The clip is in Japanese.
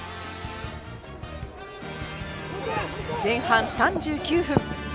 前半３９分。